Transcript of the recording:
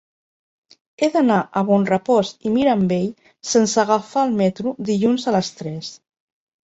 He d'anar a Bonrepòs i Mirambell sense agafar el metro dilluns a les tres.